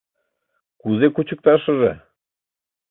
— Кузе кучыкташыже?